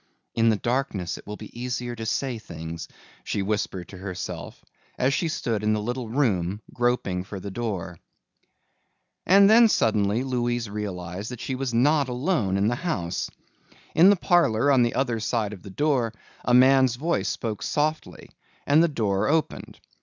"In the darkness it will be easier to say things," she whispered to herself, as she stood in the little room groping for the door. And then suddenly Louise realized that she was not alone in the house. In the parlor on the other side of the door a man's voice spoke softly and the door opened.